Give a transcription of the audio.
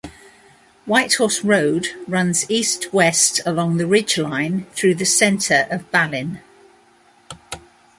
Whitehorse Road runs east-west along the ridgeline through the centre of Balwyn.